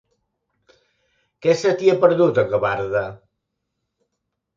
Què se t'hi ha perdut, a Gavarda?